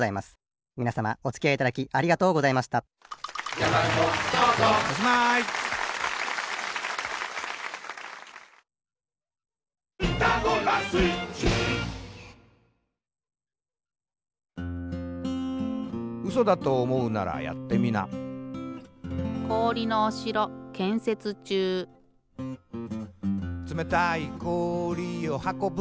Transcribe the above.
みなさまおつきあいいただきありがとうございました「つめたいこおりをはこぶ